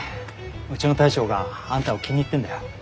うちの大将があんたを気に入ってんだよ。